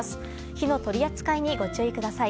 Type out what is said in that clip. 火の取り扱いにご注意ください。